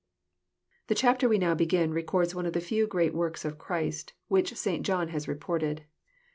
The chapter we now begin records one of the few great works of Christ whicli St. John has reported.